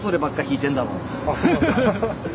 ハハハハッ。